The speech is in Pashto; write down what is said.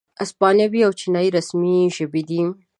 اسپانوي او چینایي رسمي ژبې دي.